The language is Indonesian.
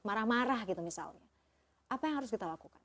marah marah gitu misalnya apa yang harus kita lakukan